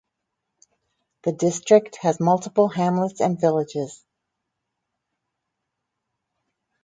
The district has multiple hamlets and villages.